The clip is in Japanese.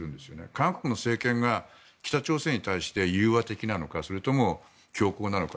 韓国の政権が北朝鮮に対して融和的なのかそれとも強硬なのか。